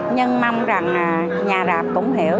nhưng mong rằng nhà rạp cũng hiểu